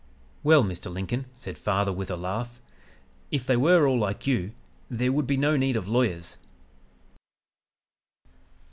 "'Well, Mr. Lincoln,' said father with a laugh, 'if they were all like you there would be no need of lawyers.'